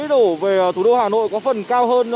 đổ về thủ đô hà nội có phần cao hơn